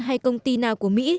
hay công ty nào của mỹ